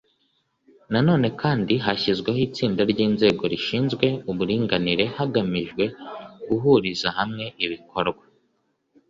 Na none kandi hashyizweho itsinda ry inzego zishinzwe uburinganire hagamijwe guhuriza hamwe ibikorwa